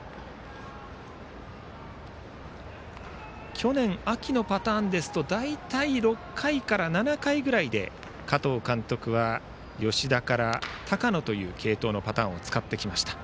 去年秋のパターンですと大体６回から７回ぐらいで加藤監督は吉田から高野という継投のパターンを使ってきました。